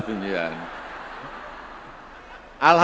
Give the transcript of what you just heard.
jangan itu pinjeman alhamdulillah